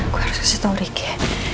gue harus kasih tau riki